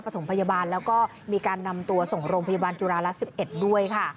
ถมพยาบาลแล้วก็มีการนำตัวส่งโรงพยาบาลจุฬาละ๑๑ด้วยค่ะ